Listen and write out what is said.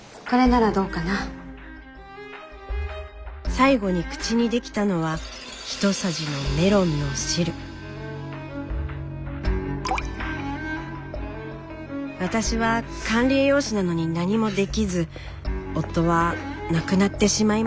最期に口にできたのは私は管理栄養士なのに何もできず夫は亡くなってしまいました。